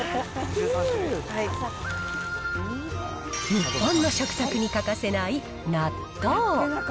日本の食卓に欠かせない納豆。